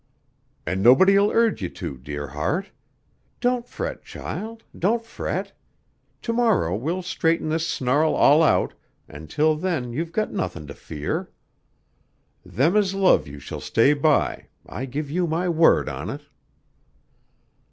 "An' nobody'll urge you to, dear heart. Don't fret, child, don't fret. To morrow we'll straighten this snarl all out an' 'til then you've got nothin' to fear. Them as love you shall stay by, I give you my word on it."